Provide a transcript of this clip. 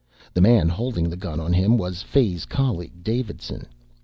The man holding the gun on him was Fay's colleague Davidson.